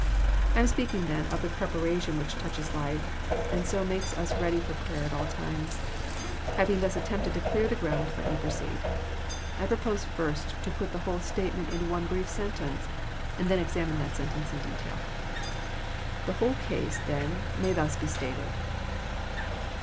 I am speaking then of the preparation which touches life, and so makes us ready for prayer at all times. Having thus attempted to clear the ground let me proceed. I propose first to put the whole statement into one brief sentence, and then examine that sentence in detail. The whole case then may thus be stated.